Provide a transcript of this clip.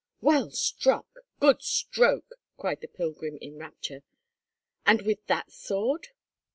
"Well struck! good stroke!" cried the pilgrim, in rapture. "And with that sword?"